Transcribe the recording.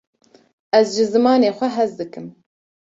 ez ji zimanê xwe hez dikim